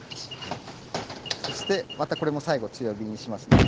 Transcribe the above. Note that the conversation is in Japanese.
そしてまたこれも最後強火にしますね。